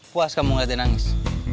puas kamu ngeliat dia nangis